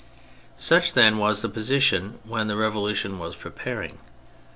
Such, then, was the position when the Revolution was preparing.